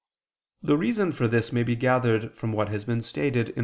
The reason for this may be gathered from what has been stated (A.